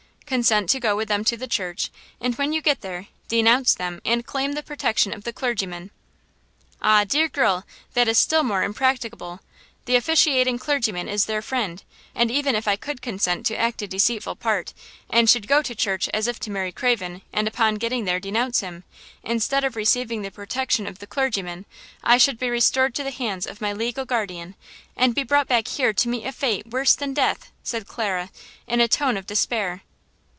Consent to go with them to the church, and when you get there, denounce them and claim the protection of the clergyman!" "Ah! dear girl, that is still more impracticable. The officiating clergyman is their friend, and even if I could consent to act a deceitful part, and should go to church as if to marry Craven and upon getting there denounce him, instead of receiving the protection of the clergyman I should be restored to the hands of my legal guardian and be brought back here to meet a fate worse than death," said Clara, in a tone of despair.